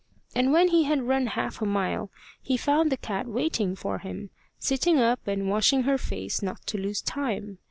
And when he had run half a mile, he found the cat waiting for him, sitting up and washing her face not to lose time.